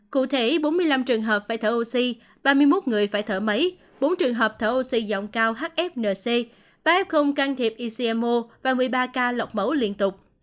cụ thể bốn mươi năm trường hợp phải thở oxy ba mươi một người phải thở máy bốn trường hợp thở oxy rộng cao hfnc ba f can thiệp ecmo và một mươi ba ca lọc máu liên tục